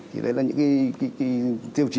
thì đấy là những cái tiêu chí